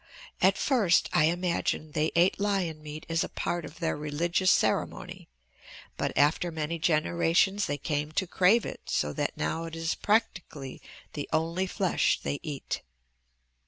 At first, I imagine, they ate lion meat as a part of their religious ceremony but after many generations they came to crave it so that now it is practically the only flesh they eat.